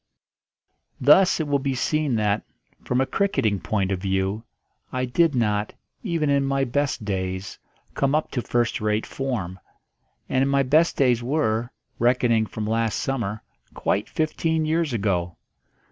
Thus it will be seen that, from a cricketing point of view, I did not, even in my best days, come up to first rate form; and my best days were, reckoning from last summer, quite fifteen years ago.